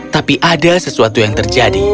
tapi ada sesuatu yang terjadi